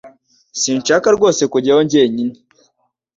Sinshaka rwose kujyayo jyenyine